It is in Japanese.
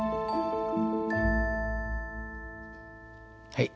はい。